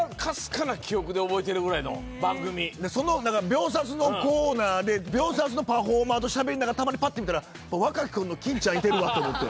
秒殺のコーナーで秒殺のパフォーマーとしゃべりながらたまにぱって見たら若きころの欽ちゃんいてるわと思って。